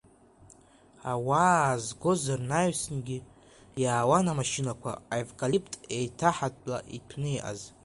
Ауаа аазгоз рнаҩсангьы, иаауан амашьынақәа, аевкалипт еиҭаҳатәла иҭәны иҟаз.